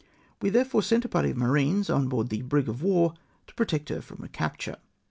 We therefore sent a party of marines on board the brig of war to protect her from recapture.